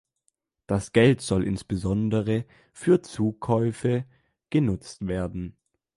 Das Geld soll insbesondere für Zukäufe genutzt werden.